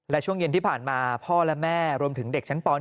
และช่วงเย็นที่ผ่านมาพ่อและแม่รวมถึงเด็กชั้นป๑